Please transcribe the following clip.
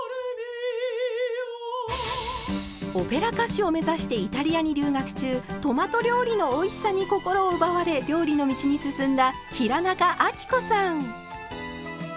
オペラ歌手を目指してイタリアに留学中トマト料理のおいしさに心を奪われ料理の道に進んだ平仲亜貴子さん。